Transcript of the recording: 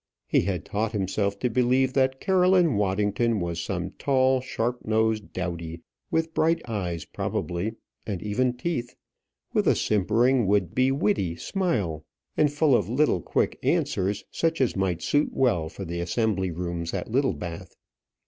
He had taught himself to believe that Caroline Waddington was some tall, sharp nosed dowdy; with bright eyes, probably, and even teeth; with a simpering, would be witty smile, and full of little quick answers such as might suit well for the assembly rooms at Littlebath.